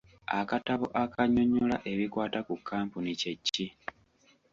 Akatabo akannyonnyola ebikwata ku kkampuni kye ki?